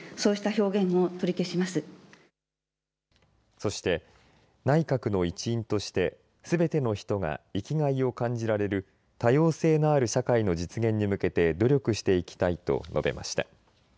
そして内閣の一員としてすべての人が生きがいを感じられる多様性のある社会の実現に向けて努力していきたいと述べました。